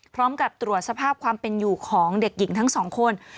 พร้อมกับตรวจสภาพความเป็นอยู่ของเด็กหญิงทั้งสองคน